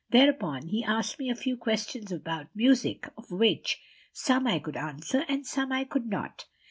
Thereupon he asked me a few questions about music, of which some I could answer and some I could not.